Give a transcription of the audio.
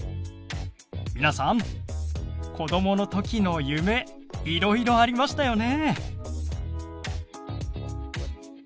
皆さん子どもの時の夢いろいろありましたよね？